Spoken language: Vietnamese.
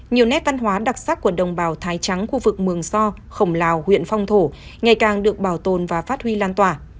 nhiều nét văn hóa đặc sắc của đồng bào thái trắng khu vực mường so khổng lào huyện phong thổ ngày càng được bảo tồn và phát huy lan tỏa